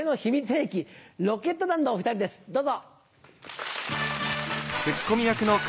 兵器ロケット団のお２人ですどうぞ。